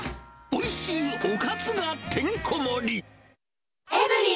おいしいおかずがてんこ盛り。